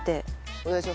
お願いします。